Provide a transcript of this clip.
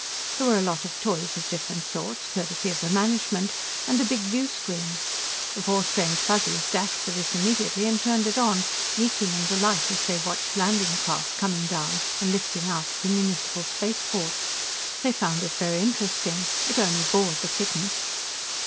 There were a lot of toys of different sorts, courtesy of the management, and a big view screen. The four strange Fuzzies dashed for this immediately and turned it on, yeeking in delight as they watched landing craft coming down and lifting out at the municipal spaceport. They found it very interesting. It only bored the kitten.